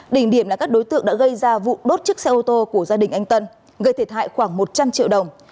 đỉnh điểm là các đối tượng đã gây ra vụ đốt chiếc xe ô tô của gia đình anh tân gây thiệt hại khoảng một trăm linh triệu đồng